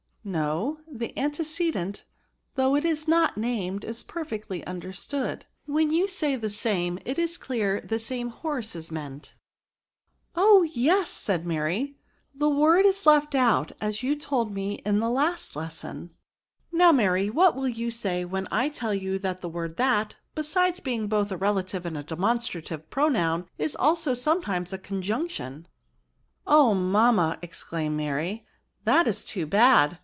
" No; the antecedent, though it is not named, is perfectly understood; when you say the same, it is clear the same horse is meant." " Oh I yes,*' said Mary ;" the word is left out, as you told me in the last lesson." " Now, Mary, what will you say when I tell you that the word that^ besides being both a relative and a demonstrative pronoun, is also sometimes a conjunction ?"" Oh ! mamma," exclaimed Mary, '* that is too bad.